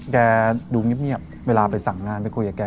แกดูเงียบเวลาไปสั่งงานไปคุยกับแก